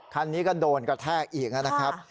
คันนี้ก็โดนกระแทกอีกนะครับ